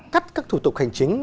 cắt các thủ tục hành chính